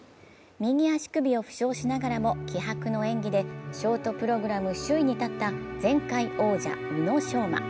右足首を負傷しながらも気迫の演技でショートプログラム首位に立った前回王者・宇野昌磨。